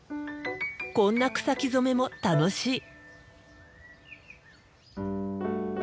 こんな草木染めも楽しい。